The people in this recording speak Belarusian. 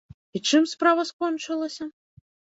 І чым справа скончылася?